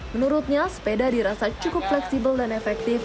menurutnya sepeda dirasa cukup fleksibel dan efektif